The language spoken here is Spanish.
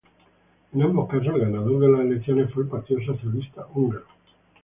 En ambos casos el ganador de las elecciones fue el Partido Socialista Húngaro.